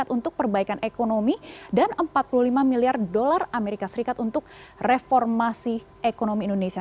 untuk perbaikan ekonomi dan empat puluh lima miliar dolar amerika serikat untuk reformasi ekonomi indonesia